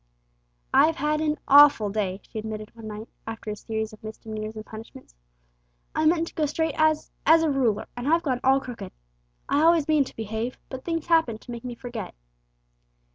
"I've had an awful day," she admitted one night after a series of misdemeanours and punishments. "I meant to go as straight as as a ruler, and I've gone all crooked. I always mean to behave, but things happen to make me forget!"